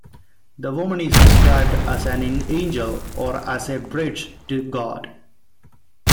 The woman is described as an 'angel' or as 'a bridge to God'.